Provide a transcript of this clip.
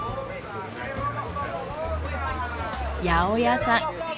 八百屋さん。